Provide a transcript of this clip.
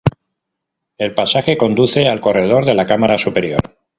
El pasaje conduce al corredor de la cámara superior.